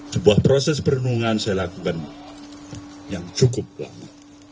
sebuah proses perenungan saya lakukan yang cukup lama